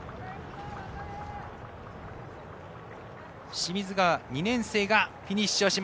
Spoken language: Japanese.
清水川、２年生がフィニッシュ。